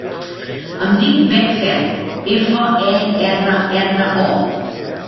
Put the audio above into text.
Em dic Beth Ferro: efa, e, erra, erra, o.